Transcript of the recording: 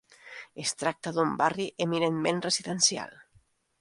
Es tracta d'un barri eminentment residencial.